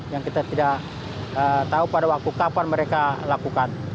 yang kita tidak tahu pada waktu kapan mereka lakukan